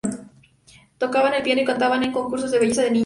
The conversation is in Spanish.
Tocaba el piano y cantaba en concursos de belleza de niña.